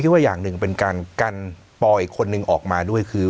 ว่าอย่างหนึ่งเป็นการกันปออีกคนนึงออกมาด้วยคือ